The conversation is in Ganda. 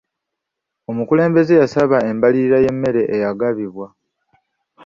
Omukulembeze yasaba embalirira y'emmere eyagabibwa.